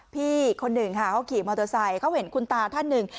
พี่คนหนึ่งค่ะเขาขี่มอเตอร์ไซค์เขาเห็นคุณตาท่านหนึ่ง